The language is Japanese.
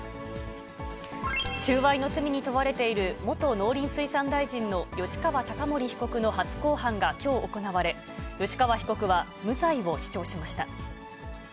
収賄の罪に問われている元農林水産大臣の吉川貴盛被告の初公判がきょう行われ、吉川被告は無罪を主張しました。